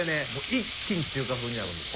一気に中華風になるんです